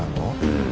うん。